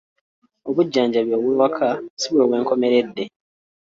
Obujjanjabi obw'ewaka si bwe bwenkomeredde.